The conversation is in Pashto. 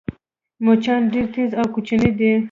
مچان ډېر تېز او کوچني دي